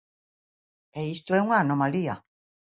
E isto é unha anomalía.